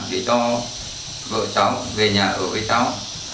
để cho vợ cháu về nhà ở với cháu